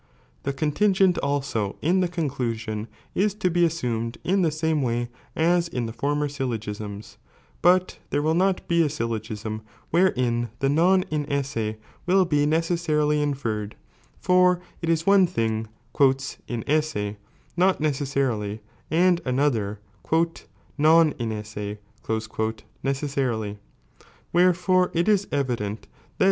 The' contiDgent also in the conclusion, is to be assumed in the same wtj aa in the former ayllt^sma, but there will not be a syllo gism wherein the non inesse will he necessarily inferred, for ii is one thing "iuesse" not necessarily, and another "doQ' incase" necessarily. Wherefore, it is evident that